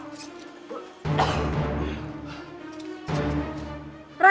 gua ngerjain dia